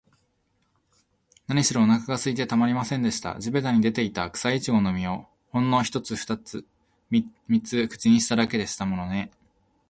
なにしろ、おなかがすいてたまりませんでした。地びたに出ていた、くさいちごの実を、ほんのふたつ三つ口にしただけでしたものね。